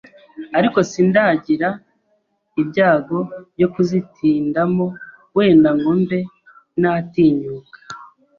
ariko sindagira ibyago byo kuzitindamo, wenda ngo mbe natinyuka